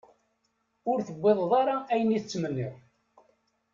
Ur tewwiḍeḍ ara ayen i tettmenniḍ.